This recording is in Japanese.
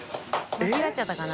間違っちゃったかな？